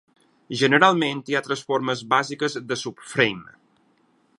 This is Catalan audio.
Generalment hi ha tres formes bàsiques del subframe.